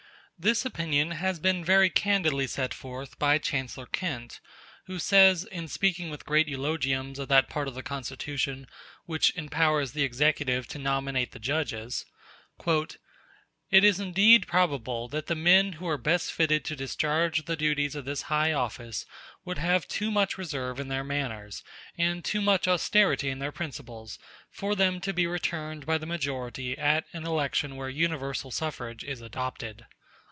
This opinion has been very candidly set forth by Chancellor Kent, who says, in speaking with great eulogiums of that part of the Constitution which empowers the Executive to nominate the judges: "It is indeed probable that the men who are best fitted to discharge the duties of this high office would have too much reserve in their manners, and too much austerity in their principles, for them to be returned by the majority at an election where universal suffrage is adopted."